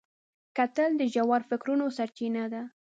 کتل د ژور فکرونو سرچینه ده